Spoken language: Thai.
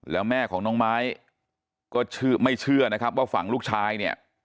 แล้วแม่ของน้องไม้ก็ไม่เชื่อนะครับว่าฝั่งลูกชายเนี่ย